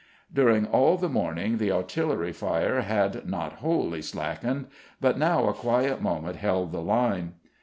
During all the morning the artillery fire had not wholly slackened, but now a quiet moment held the line.